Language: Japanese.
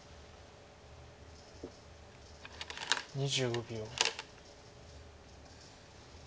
２５秒。